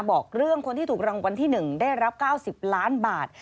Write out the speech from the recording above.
บอกเรื่องคนที่ถูกรางวัลที่๑ได้รับ๙๐ล้านบาท